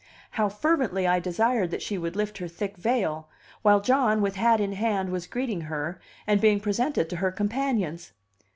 How fervently I desired that she would lift her thick veil, while John, with hat in hand, was greeting her, and being presented to her companions!